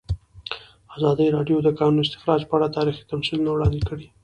ازادي راډیو د د کانونو استخراج په اړه تاریخي تمثیلونه وړاندې کړي.